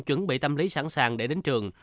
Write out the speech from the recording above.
chuẩn bị tâm lý sẵn sàng để đến trường